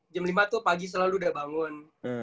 jam lima tuh pagi selalu udah bangun